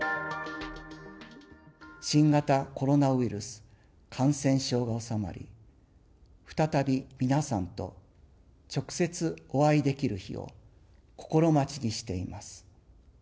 新型コロナウイルス感染症が収まり、再び皆さんと直接お会いできる日を、心待ちにしています。